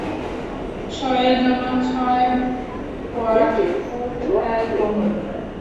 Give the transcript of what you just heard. Show এর জন্য ছয় কোয়াট উড অ্যালকোহল।